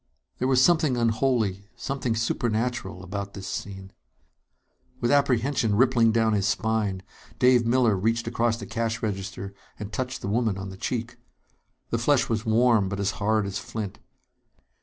There was something unholy, something supernatural, about this scene! With apprehension rippling down his spine, Dave Miller reached across the cash register and touched the woman on the cheek. The flesh was warm, but as hard as flint.